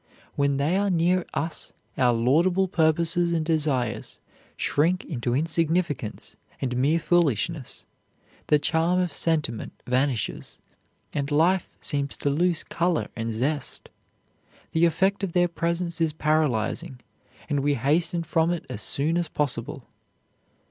When they are near us our laudable purposes and desires shrink into insignificance and mere foolishness; the charm of sentiment vanishes and life seems to lose color and zest. The effect of their presence is paralyzing, and we hasten from it as soon as possible.